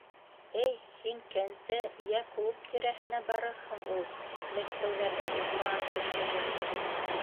Әй, һин кәнсә йә клуб тирәһенә барырһың ул. Мәскәүҙәрҙә уҡыған кеше ни!